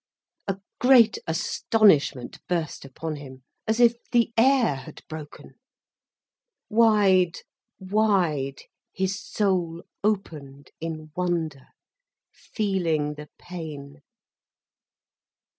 A great astonishment burst upon him, as if the air had broken. Wide, wide his soul opened, in wonder, feeling the pain.